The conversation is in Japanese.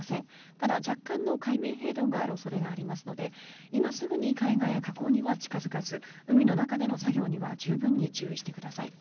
ただ、若干の海面変動がある恐れがありますので今すぐに海岸や河口には近付かず海の中での作業には十分に注意してください。